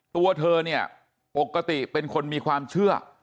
ตัวเธอเนี่ยปกติเป็นคนมีความเชื่อ